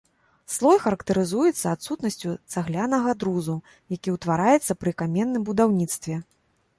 Слой характарызуецца адсутнасцю цаглянага друзу, які ўтвараецца пры каменным будаўніцтве.